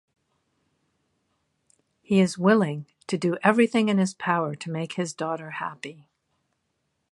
He is willing to do everything in his power to make his daughter happy.